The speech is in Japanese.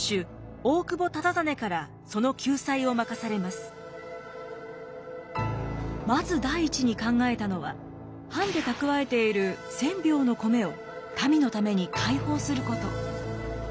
尊徳はまず第一に考えたのは藩で蓄えている１，０００俵の米を民のために開放すること。